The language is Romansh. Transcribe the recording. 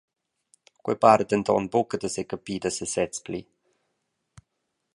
Quei para denton buca da secapir da sesez pli.